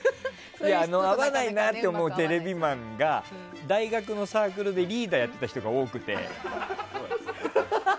合わないなって思うテレビマンが大学のサークルでリーダーやってた人が多くて。